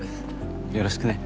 よろしくね